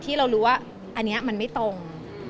ที่เรารู้ว่าอันนี้มันไม่ตรง